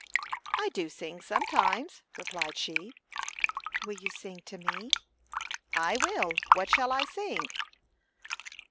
"I do sing, sometimes," replied she. "Will you sing to me?" "I will; what shall I sing?"